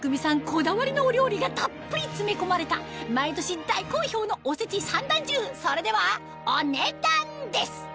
こだわりのお料理がたっぷり詰め込まれた毎年大好評のおせち三段重それではお値段です